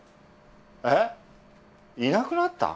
えっいなくなった？